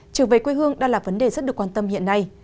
trở về quê hương đang là vấn đề rất được quan tâm hiện nay